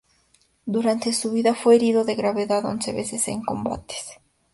Durante su vida fue herido de gravedad once veces en combates.